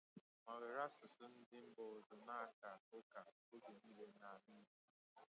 ma were asụsụ ndị mba ọzọ na-aka ụka oge niile n'ala Igbo